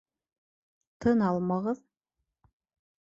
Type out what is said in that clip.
Тын алмағыҙ!